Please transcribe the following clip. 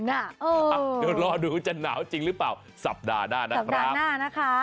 เดี๋ยวรอดูว่าจะหนาวจริงหรือเปล่าสัปดาห์หน้านะครับ